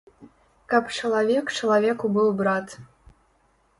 Каб чалавек чалавеку быў брат.